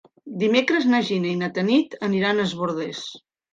Dimecres na Gina i na Tanit aniran a Es Bòrdes.